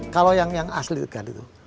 kalau yang asli itu kan itu